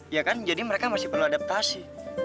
ya kan jadi mereka masih perlu adaptasi